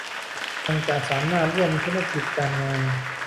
ยังจะสามารถร่วมธุรกิจการงาน